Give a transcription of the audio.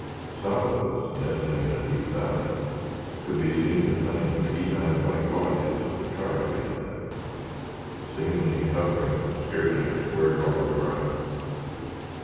South of us, nestling in a deep valley, could be seen the tiny beehive like lodges of the tribe we had left, seemingly covering scarcely a square rod of ground.